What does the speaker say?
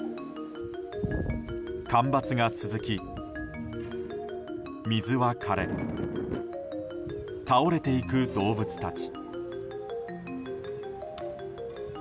干ばつが続き、水は枯れ倒れていく動物たち。